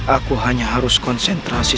aku hanya harus konsentrasi